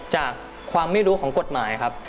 จากความไม่รู้ของกฎหมายครับ